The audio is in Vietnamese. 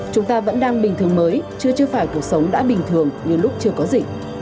chúng ta vẫn đang bình thường mới chưa chứa phải cuộc sống đã bình thường như lúc chưa có dịch